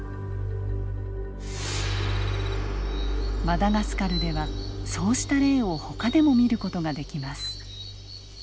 マダガスカルではそうした例をほかでも見る事ができます。